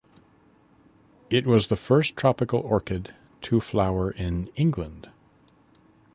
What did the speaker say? It was the first tropical orchid to flower in England.